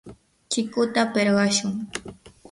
chikuta pirqashun.